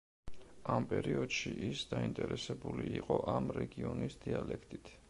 ამ პერიოდში ის დაინტერესებული იყო ამ რეგიონის დიალექტით.